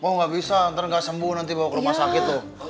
oh nggak bisa nanti nggak sembuh nanti bawa ke rumah sakit tuh